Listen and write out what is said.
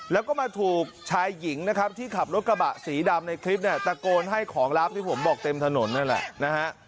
แล้วก็มาถูกชายหญิงนะครับที่ขับรถกระบะสีดำในคลิปเนี่ยตะโกนให้ของลับที่ผมบอกเต็มถนนนั่นแหละนะฮะ